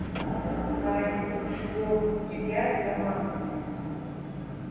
Ааи, дыԥшӡоуп, цәгьа дзаманахәуп.